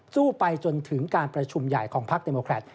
สู้ไปจนถึงการประชุมใหญ่ของภาคเดมโมครัตต์